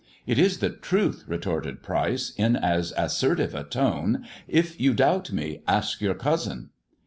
It is the truth," retorted Pryce, in as assertive a tone. If you doubt me, ask your cousin."